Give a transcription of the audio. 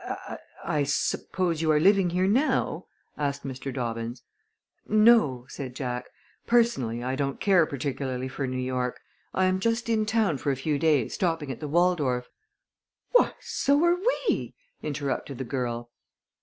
"I I suppose you are living here now?" asked Mr. Dobbins. "No," said Jack. "Personally I don't care particularly for New York. I am just in town for a few days, stopping at the Waldorf." "Why, so are we," interrupted the girl.